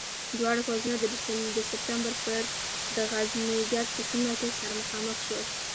دواړه پوځونه د سپټمبر پر د غزنيګک په سیمه کې سره مخامخ شول.